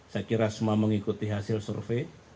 saya kira semua mengikuti hasil survei